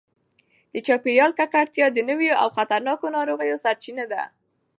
د چاپیریال ککړتیا د نویو او خطرناکو ناروغیو سرچینه ده.